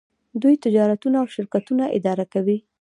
دوی تجارتونه او شرکتونه اداره کوي.